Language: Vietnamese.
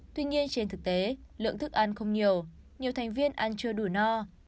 tuy nhiên trên thực tế lượng thức ăn không nhiều nhiều thành viên ăn chưa đủ no